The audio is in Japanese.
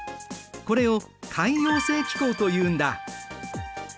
これを海洋性気候というんだ。